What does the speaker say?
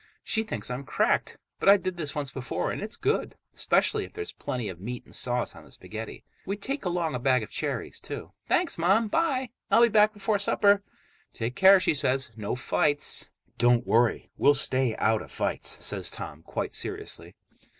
She thinks I'm cracked, but I did this once before, and it's good, 'specially if there's plenty of meat and sauce on the spaghetti. We take along a bag of cherries, too. "Thanks, Mom. Bye. I'll be back before supper." "Take care," she says. "No fights." "Don't worry. We'll stay out of fights," says Tom quite seriously.